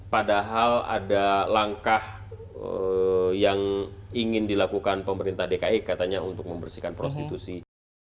padahal ada langkah yang ingin dilakukan pemerintah dki katanya untuk membersihkan prostitusi